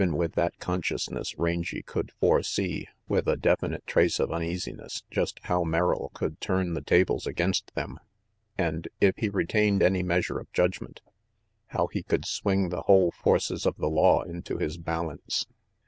Even with that consciousness, Rangy could fore see, with a definite trace of uneasiness, just how Merrill could turn the tables against them; and, if he retained any measure of judgment, how he could swing the whole forces of the law into his balance.